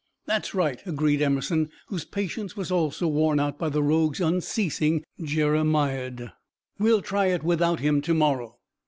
"That's right," agreed Emerson, whose patience was also worn out by the rogue's unceasing jeremiad. "We'll try it without him to morrow."